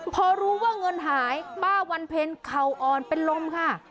พอรู้ว่าเงินหายป้าวันเพ็ญเข่าอ่อนเป็นลมค่ะ